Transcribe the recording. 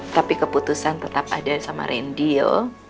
tapi keputusan tetap ada sama rendy yo